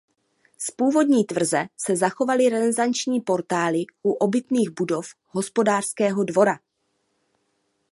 Z původní tvrze se zachovaly renesanční portály u obytných budov hospodářského dvora.